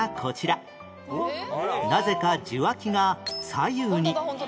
なぜか受話器が左右に